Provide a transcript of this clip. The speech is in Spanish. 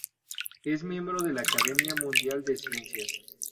Es miembro de la Academia Mundial de Ciencias.